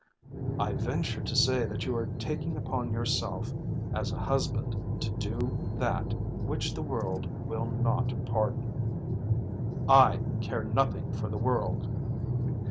"I venture to say that you are taking upon yourself as a husband to do that which the world will not pardon." "I care nothing for the world."